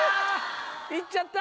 いっちゃった！